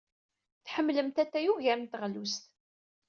Tḥemmlemt atay ugar n teɣlust.